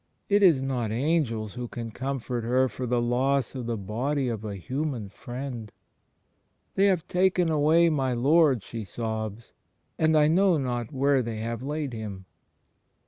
It is not angels who can comfort her for the loss of the body of a human Friend. "They have taken away my Lord," she sobs, "and I know not where they have laid Him."